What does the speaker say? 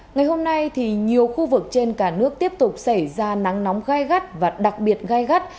ngày hôm nay nhiều khu vực trên cả nước tiếp tục xảy ra nắng nóng gai gắt và đặc biệt gai gắt